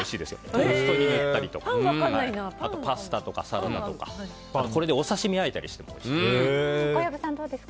トーストに塗ったりあとパスタとかサラダとかこれでお刺し身とあえたりしてもおいしいです。